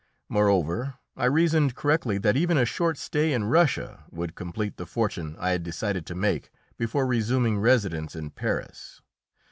Moreover I reasoned correctly that even a short stay in Russia would complete the fortune I had decided to make before resuming residence in Paris.